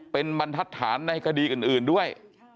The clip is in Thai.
เป็นบรรทัศน์ในคดีอื่นด้วย